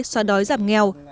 xóa đói giảm nghèo